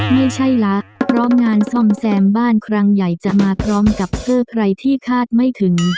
ไม่ใช่ละเพราะงานซ่อมแซมบ้านครั้งใหญ่จะมาพร้อมกับเซอร์ไพรที่คาดไม่ถึง